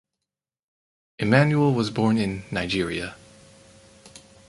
Emmanuel was born in Nigeria.